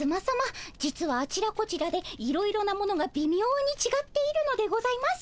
実はあちらこちらでいろいろなものがびみょうにちがっているのでございます。